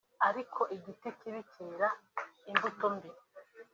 ariko igiti kibi cyera imbuto mbi